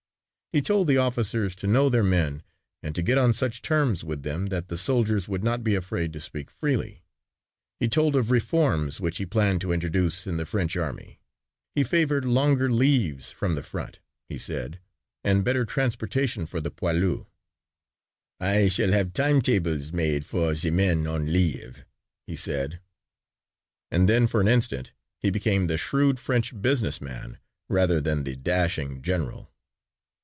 He told the officers to know their men and to get on such terms with them that the soldiers would not be afraid to speak freely. He told of reforms which he planned to introduce in the French army. He favored longer leaves from the front, he said, and better transportation for the poilus. "I shall have time tables made for the men on leave," he said and then for an instant he became the shrewd French business man rather than the dashing general.